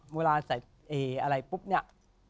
เวลาใส่อะไรปุ๊บเนี่ย